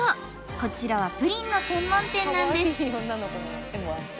こちらはプリンの専門店なんです。